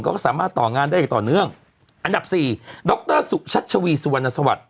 ก็สามารถต่องานได้อย่างต่อเนื่องอันดับสี่ดรสุชัชวีสุวรรณสวัสดิ